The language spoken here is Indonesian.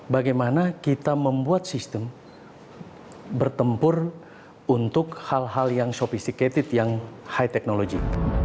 bagaimana kita membuat sistem bertempur untuk hal hal yang sophisticated yang high technology